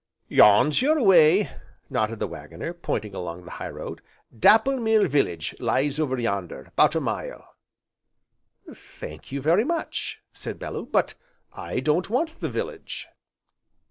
"Yon's your way," nodded the Waggoner, pointing along the high road, "Dapplemere village lies over yonder, 'bout a mile." "Thank you very much," said Bellew, "but I don't want the village."